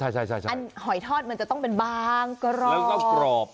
ใช่อันหอยทอดมันจะต้องเป็นบางกรอบแล้วก็กรอบ